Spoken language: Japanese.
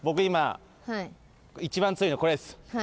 今一番強いのこれです。